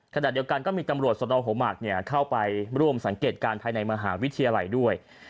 ขณะเดียวกันก็มีตำรวจสนหัวหมากเข้าไปร่วมสังเกตการณ์ภายในมหาวิทยาลัยด้วย